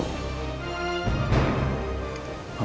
untuk bagaimana rbl